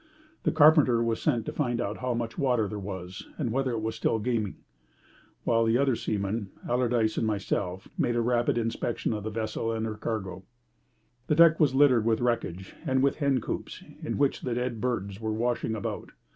The carpenter was sent to find out how much water there was, and whether it was still gaming, while the other seaman, Allardyce and myself, made a rapid inspection of the vessel and her cargo. The deck was littered with wreckage and with hen coops, in which the dead birds were washing about.